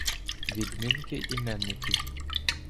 Відмінки іменників